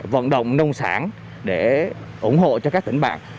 hoạt động nông sản để ủng hộ cho các tỉnh và bạn